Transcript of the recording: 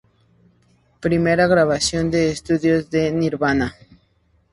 Primera grabación de estudio de Nirvana.